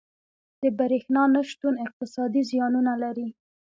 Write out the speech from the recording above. • د برېښنا نه شتون اقتصادي زیانونه لري.